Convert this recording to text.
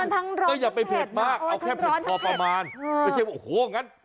ทั้งร้อนทั้งเผ็ดมากทั้งร้อนทั้งเผ็ดเอาแค่เผ็ดพอประมาณไม่ใช่ว่าโอ้โหงั้น